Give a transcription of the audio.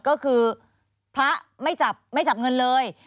ก็คือพระไม่จับเงินเลย